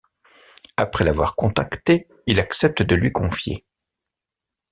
Après l'avoir contacté, il accepte de lui confier.